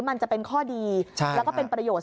มันจะเป็นข้อดีแล้วก็เป็นประโยชน์